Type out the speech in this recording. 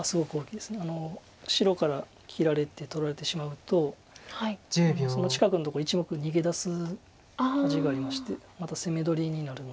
白から切られて取られてしまうとその近くのとこ１目逃げ出す味がありましてまた攻め取りになるので。